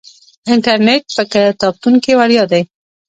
انټرنیټ په کتابتون کې وړیا دی.